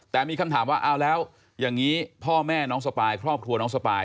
แต่มีคำถามว่าเอาแล้วอย่างนี้พ่อแม่น้องสปายครอบครัวน้องสปาย